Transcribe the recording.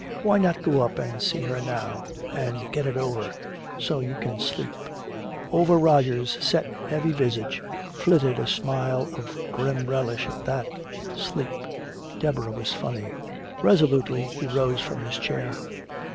"Why not go up and see her now and get it all over so you can sleep." Over Roger's set heavy visage flitted a smile of grim relish at that. Sleep! Deborah was funny. Resolutely he rose from his chair.